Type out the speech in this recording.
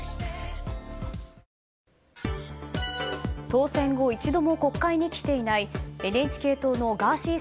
当選後一度も国会に来ていないＮＨＫ党のガーシー